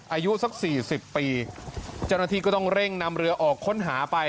อายุสักสี่สิบปีเจ้าหน้าที่ก็ต้องเร่งนำเรือออกค้นหาไป